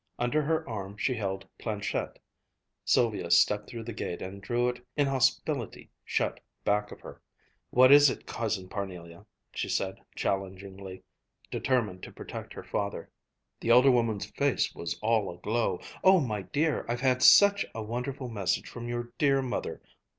Under her arm she held planchette. Sylvia stepped through the gate and drew it inhospitably shut back of her. "What is it, Cousin Parnelia?" she said challengingly, determined to protect her father. The older woman's face was all aglow. "Oh, my dear; I've had such a wonderful message from your dear mother.